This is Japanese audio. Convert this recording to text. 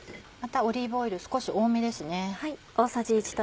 またオリーブオイル少し多めですね。